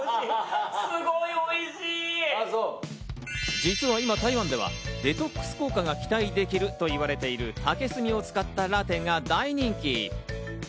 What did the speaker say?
実は今、台湾ではデトックス効果が期待できるといわれている、竹炭を使ったラテが大人気！